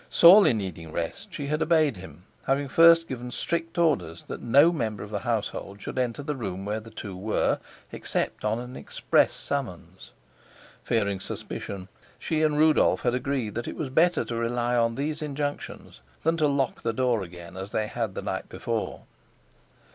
Sorely needing rest, she had obeyed him, having first given strict orders that no member of the household should enter the room where the two were except on an express summons. Fearing suspicion, she and Rudolf had agreed that it was better to rely on these injunctions than to lock the door again as they had the night before.